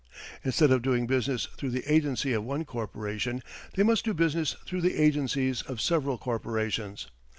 Instead of doing business through the agency of one corporation they must do business through the agencies of several corporations.